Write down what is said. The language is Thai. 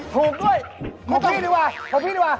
ถูกด้วย